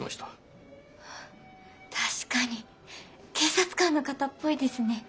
ああ確かに警察官の方っぽいですね。